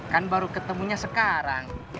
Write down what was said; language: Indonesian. kan baru ketemunya sekarang